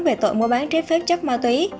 về tội mua bán trí phép chất ma túy